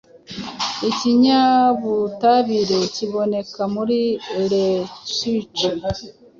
Ikinyabutabire kiboneka muri lettuce